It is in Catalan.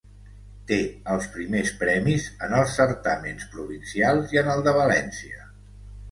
Té els primers premis en els Certàmens Provincials i en el de València.